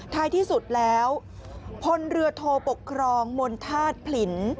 ท้ายที่สุดแล้วพลเรือโทปกครองมณฑาตุผลิน